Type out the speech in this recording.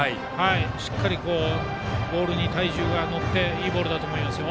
しっかりボールに体重が乗っていいボールだと思いますよ。